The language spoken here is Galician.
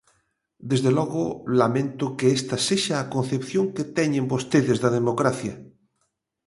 Desde logo, lamento que esta sexa a concepción que teñen vostedes da democracia.